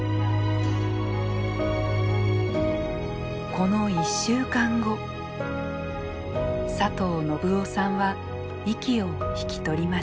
この１週間後佐藤信男さんは息を引き取りました。